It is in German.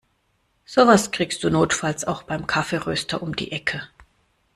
Sowas kriegst du notfalls auch beim Kaffeeröster um die Ecke.